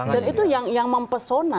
dan itu yang mempesona